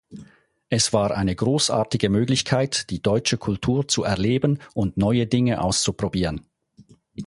Es war eine großartige Möglichkeit, die deutsche Kultur zu erleben und neue Dinge auszuprobieren.